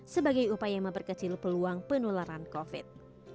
sebagai upaya memperkecil peluang penularan covid